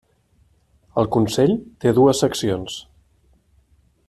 El Consell té dues seccions.